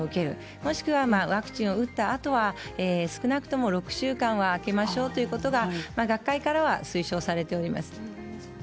もしくはワクチンを打ったあとは少なくとも６週間は空けましょうということが学会からは推奨されております。